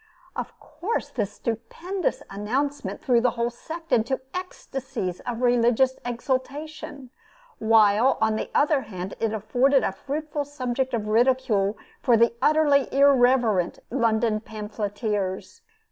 Of course, this stupendous announcement threw the whole sect into ecstasies of religious exultation; while, on the other hand, it afforded a fruitful subject of ridicule for the utterly irreverent London pamphleteers.